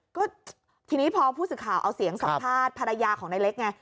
ก็ทีนี้พอผู้สื่อข่าวเอาเสียงสัมภาษณ์ภรรยาของนายเล็กไง